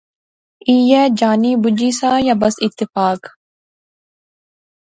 ایہہ جانی بجی سا یا بس اتفاق